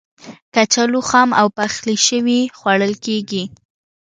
کچالو خام او پخلی شوی خوړل کېږي.